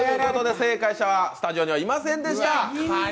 正解者はスタジオにはいませんでした。